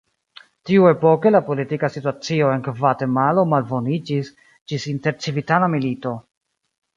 Tiuepoke la politika situacio en Gvatemalo malboniĝis ĝis intercivitana milito.